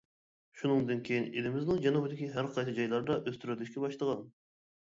شۇنىڭدىن كېيىن ئېلىمىزنىڭ جەنۇبىدىكى ھەرقايسى جايلاردا ئۆستۈرۈلۈشكە باشلىغان.